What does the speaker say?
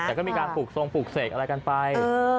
แต่ก็มีการปลูกทรงปลูกเสกอะไรกันไป